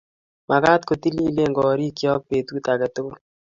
Magaat kotililen korikchook betut age tugul